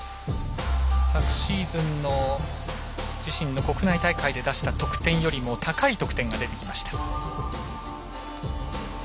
昨シーズンの自身の国内大会で出した得点よりも高い得点が出てきました。